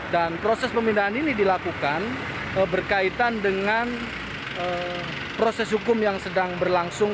dan proses pemindahan ini dilakukan berkaitan dengan proses hukum yang sedang berlangsung